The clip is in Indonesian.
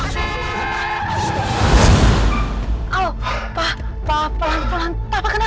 semakin gelisah papa nak